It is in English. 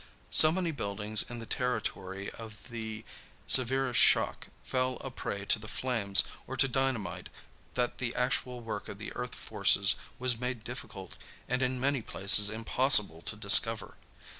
So many buildings in the territory of the severest shock fell a prey to the flames or to dynamite that the actual work of the earth forces was made difficult and in many places impossible to discover.